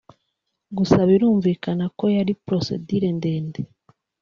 gusa birumvikana ko yari procedure ndende